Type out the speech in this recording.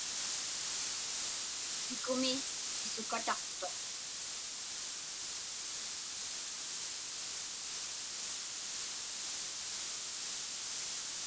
Sikumi pisuqataqtuq.